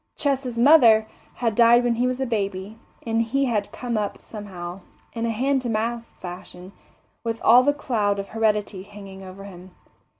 Ches's mother had died when he was a baby, and he had come up somehow, in a hand to mouth fashion, with all the cloud of heredity hanging over him.